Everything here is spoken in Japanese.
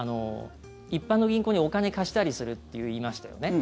一般の銀行にお金貸したりするって言いましたよね。